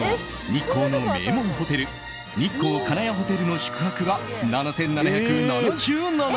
日光の名門ホテル日光金谷ホテルの宿泊が７７７７円。